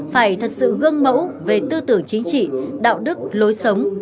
phải thật sự gương mẫu về tư tưởng chính trị đạo đức lối sống